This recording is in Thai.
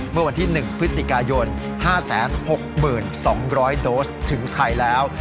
เมื่อวันที่๑พฤศจิกายน๕๖๒๐๐โดสถึงไทยแล้ว